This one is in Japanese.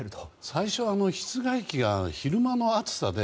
最初室外機が昼間の暑さで